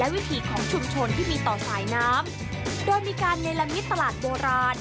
วิถีของชุมชนที่มีต่อสายน้ำโดยมีการเนรมิตตลาดโบราณ